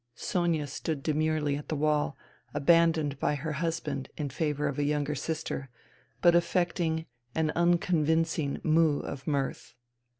Sonia stood demurely at the wall, abandoned by her husband in favour of a younger sister, but affect ing an unconvincing moue of mirth.